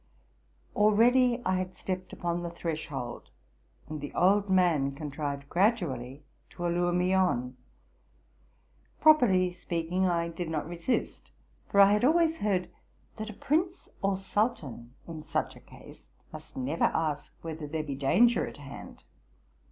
Already I had stepped upon the threshold, and the old man contrived gradually to allure me on. Properly speaking, I did not resist; for } had always heard that a prince or sultan in such a case must never ask whether there be danger at hand.